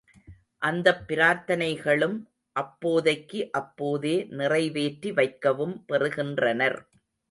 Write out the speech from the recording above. அந்தப் பிரார்த்தனைகளும் அப்போதைக்கு அப்போதே நிறைவேற்றி வைக்கவும் பெறுகின்றனர்.